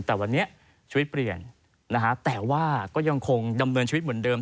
แต่วันนี้ชีวิตเปลี่ยนนะฮะแต่ว่าก็ยังคงดำเนินชีวิตเหมือนเดิม